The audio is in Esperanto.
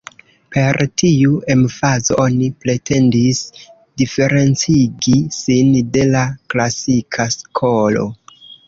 Per tiu emfazo oni pretendis diferencigi sin de la klasika skolo.